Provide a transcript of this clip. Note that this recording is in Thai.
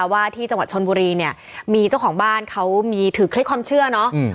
ว่าที่จังหวัดชนบุรีเนี่ยมีเจ้าของบ้านเขามีถือเคล็ดความเชื่อเนาะ